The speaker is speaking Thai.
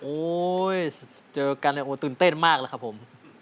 โอ๊ยเจอกันตื่นเต้นมากแล้วครับผม